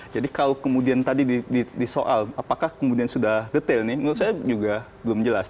jadi kalau kemudian tadi disoal apakah kemudian sudah detail menurut saya juga belum jelas